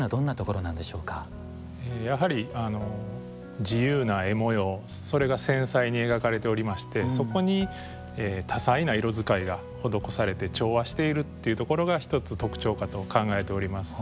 やはり自由な絵模様それが繊細に描かれておりましてそこに多彩な色使いが施されて調和しているっていうところが一つ特徴かと考えております。